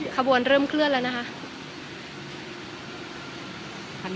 ขบวนเริ่มเคลื่อนแล้วนะคะ